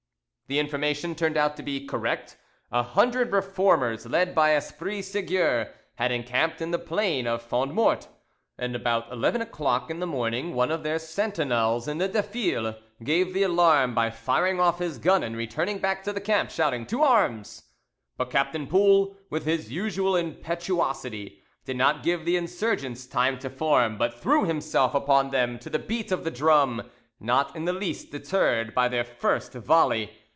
The information turned out to be correct: a hundred Reformers led by Esprit Seguier had encamped in the plain of Fondmorte, and about eleven o'clock in the morning one of their sentinels in the defile gave the alarm by firing off his gun and running back to the camp, shouting, "To arms!" But Captain Poul, with his usual impetuosity, did not give the insurgents time to form, but threw himself upon them to the beat of the drum, not in the least deterred by their first volley.